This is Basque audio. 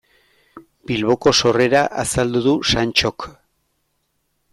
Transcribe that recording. Bilboko sorrera azaldu du Santxok.